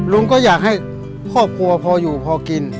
ลุงก็อยากให้ครอบครัวพออยู่พอกิน